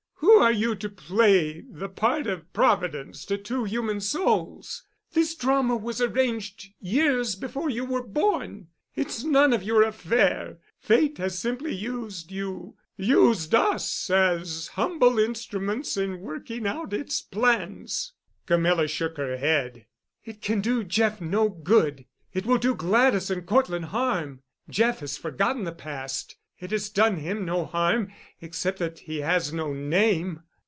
Who are you to play the part of Providence to two human souls? This drama was arranged years before you were born. It's none of your affair. Fate has simply used you—used us—as humble instruments in working out its plans." Camilla shook her head. "It can do Jeff no good. It will do Gladys and Cortland harm. Jeff has forgotten the past. It has done him no harm—except that he has no name.